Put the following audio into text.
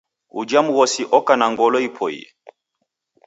Ujha mghosi oka na ngolo ipoie